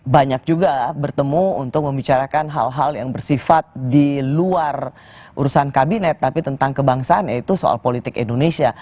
banyak juga bertemu untuk membicarakan hal hal yang bersifat di luar urusan kabinet tapi tentang kebangsaan yaitu soal politik indonesia